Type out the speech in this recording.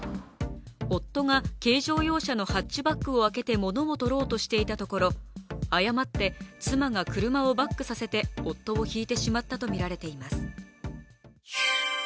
夫が軽乗用車のハッチバックを開けて物を取ろうとしていたところ、誤って妻が車をバックさせて夫をひいてしまったとみられています。